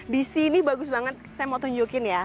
di sini bagus banget saya mau tunjukin ya